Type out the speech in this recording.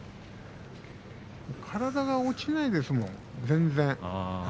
体が落ちないですもん、全然。